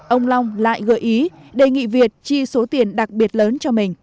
ông long lại gợi ý đề nghị việt chi số tiền đặc biệt lớn cho mình